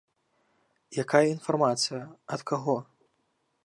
Якая інфармацыя, ад каго?